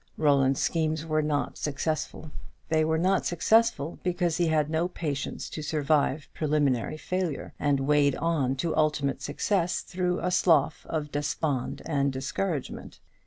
Roland's schemes were not successful; they were not successful because he had no patience to survive preliminary failure, and wade on to ultimate success through a slough of despond and discouragement.